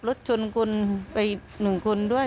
รถชนกลไปหนึ่งคนด้วย